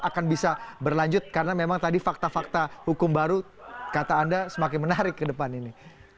akan bisa berlanjut karena memang tadi fakta fakta hukum baru kata anda semakin menarik ke depan ini